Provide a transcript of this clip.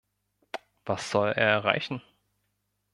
Was soll er erreichen?